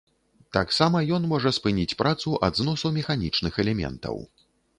Таксама ён можа спыніць працу ад зносу механічных элементаў.